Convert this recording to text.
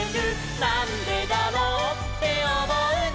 「なんでだろうっておもうなら」